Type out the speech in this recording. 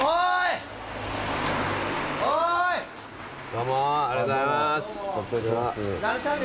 どうもーありがとうございます。